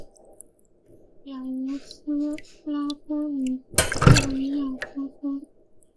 雅罗斯拉夫与斯维亚托波尔克的斗争可能在北欧史诗埃德蒙萨迦中有所反映。